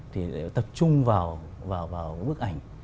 thì tập trung vào bức ảnh